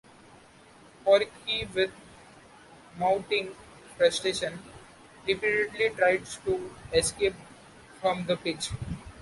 Porky, with mounting frustration, repeatedly tries to escape from the pitch.